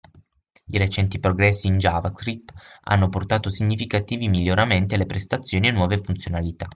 I recenti progressi in JavaScript hanno portato significativi miglioramenti alle prestazioni e nuove funzionalità